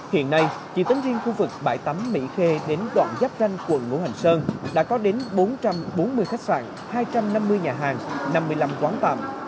hiện nay chỉ tính riêng khu vực bãi tắm mỹ khê đến đoạn giáp ranh quận ngũ hành sơn đã có đến bốn trăm bốn mươi khách sạn hai trăm năm mươi nhà hàng năm mươi năm quán tạm